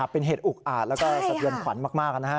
เป็นเหตุอุกอาจแล้วก็สะเทือนขวัญมากนะฮะ